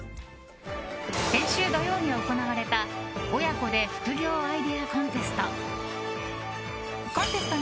先週土曜に行われた親子で副業アイデアコンテスト。